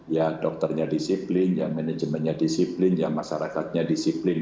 ya dokternya disiplin yang manajemennya disiplin ya masyarakatnya disiplin